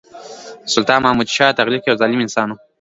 سلطان محمدشاه تغلق یو ظالم انسان وو.